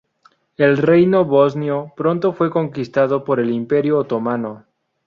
El Reino bosnio pronto fue conquistado por el Imperio Otomano.